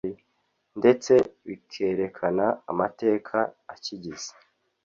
ndetse bikerekana amateka akigize